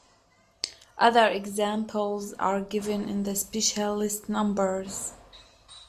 Other examples are given in the Specialist Numbers.